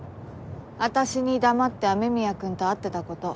私に黙って雨宮くんと会ってた事。